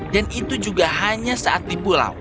dan itu juga hanya saat di pulau